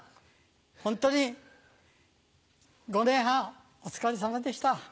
ホントに５年半お疲れさまでした。